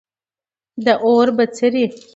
د اور بڅری